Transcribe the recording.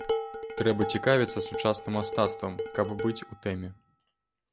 Трэба цікавіцца сучасным мастацтвам, каб быць у тэме.